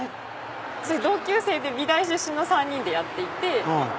同級生で美大出身の３人でやっていて。